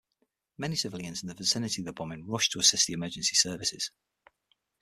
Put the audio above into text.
Many civilians in the vicinity of the bombing rushed to assist emergency services.